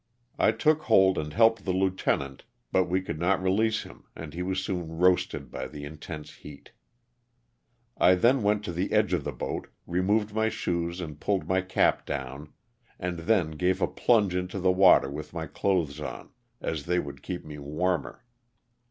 I took hold and helped the lieutenant but we could not release him and he was soon roasted by the intense heat. I then went to the edge of the boat, removed my shoes and pulled my cap down, and then gave a plunge into the water with my clothes on as they would keep me warmer.